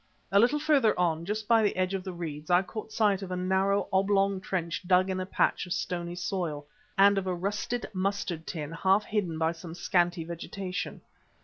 A little further on, just by the edge of the reeds, I caught sight of a narrow, oblong trench dug in a patch of stony soil, and of a rusted mustard tin half hidden by some scanty vegetation.